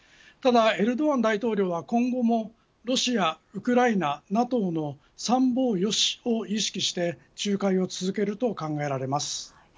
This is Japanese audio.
ただ、エルドアン大統領は今後もロシア、ウクライナＮＡＴＯの三方よしを意識して仲介を続けると考えられます。